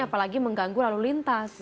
apalagi mengganggu lalu lintas